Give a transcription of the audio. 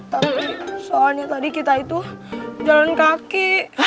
tapi soalnya tadi kita itu jalan kaki